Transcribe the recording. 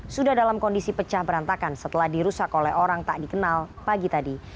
sudah dalam kondisi pecah berantakan setelah dirusak oleh orang tak dikenal pagi tadi